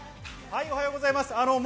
おはようございます。